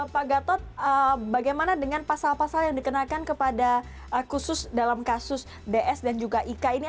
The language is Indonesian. pak gatot bagaimana dengan pasal pasal yang dikenakan kepada khusus dalam kasus ds dan juga ika ini